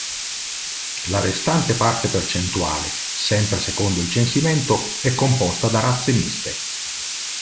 La restante parte percentuale, sempre secondo il censimento, è composta da razze miste.